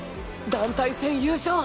団体戦優勝。